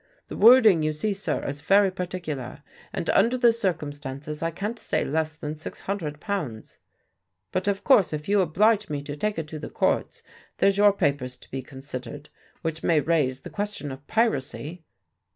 The wording you see, sir, is very particular, and under the circumstances I can't say less than six hundred pounds; but, of course, if you oblige me to take it to the courts, there's your papers to be considered, which may raise the question of piracy."